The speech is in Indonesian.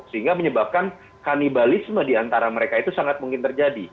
sehingga menyebabkan kanibalisme diantara mereka itu sangat mungkin terjadi